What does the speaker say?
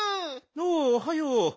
おおおはよう。